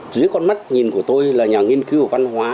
dưới con mắt nhìn của tôi là nhà nghiên cứu và văn hóa